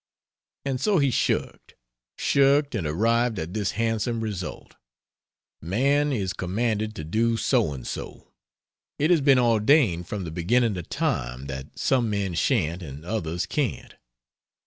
And so he shirked. Shirked, and arrived at this handsome result: Man is commanded to do so and so. It has been ordained from the beginning of time that some men shan't and others can't.